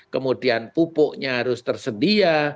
kemudian pupuknya harus tersedia